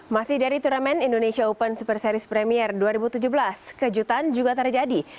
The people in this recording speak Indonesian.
masih dari turnamen indonesia open super series premier dua ribu tujuh belas kejutan juga terjadi